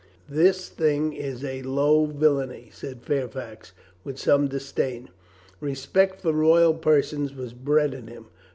"This thing is a low villainy," said Fairfax, witli some disdain. Respect for royal persons was bred in him.